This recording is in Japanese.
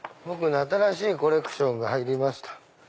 僕の新しいコレクションが入りました。